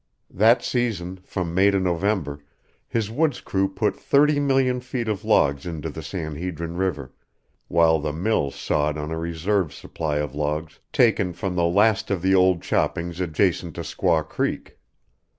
That season, from May to November, his woods crew put thirty million feet of logs into the San Hedrin River, while the mill sawed on a reserve supply of logs taken from the last of the old choppings adjacent to Squaw Creek.